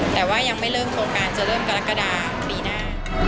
แต่ว่ายังไม่เริ่มโครงการจะเริ่มกรกฎาปีหน้า